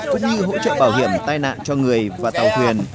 cũng như hỗ trợ bảo hiểm tai nạn cho người và tàu thuyền